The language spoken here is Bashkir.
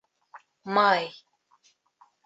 Май